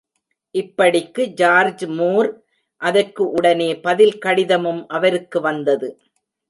இப்படிக்கு, George Moore. அதற்கு உடனே பதில் கடிதமும் அவருக்கு வந்தது.